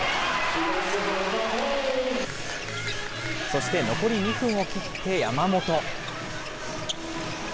そして残り２分を切って、山本。